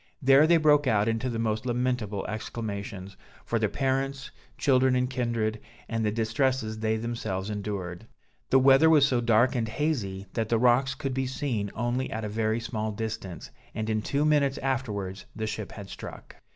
There they broke out into the most lamentable exclamations, for their parents, children and kindred, and the distresses they themselves endured. The weather was so dark and hazy, that the rocks could be seen only at a very small distance, and in two minutes afterwards the ship had struck.